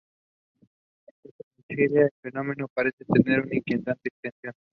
El acoso en Chile, el fenómeno parece tener una inquietante extensión.